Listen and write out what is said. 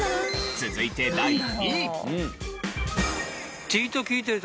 続いて第２位。